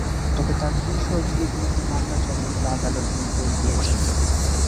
তবে, তাঁর দুই সহযোগীর বিরুদ্ধে মামলা চলবে বলে আদালত নির্দেশ দিয়েছেন।